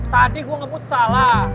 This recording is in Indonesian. tadi gue ngebut salah